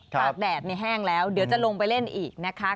ตากแดดในแห้งแล้วเดี๋ยวจะลงไปเล่นอีกนะคะ